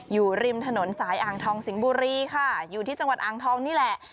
อยู่ริมถนนสายอ่างทองสิงห์บุรีค่ะอยู่ที่จังหวัดอ่างทองนี่แหละ